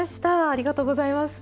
ありがとうございます。